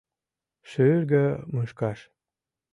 — Шӱргӧ мушкаш.